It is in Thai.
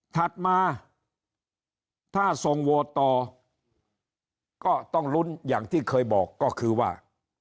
ถัดมาถ้าส่งโหวตต่อก็ต้องลุ้นอย่างที่เคยบอกก็คือว่า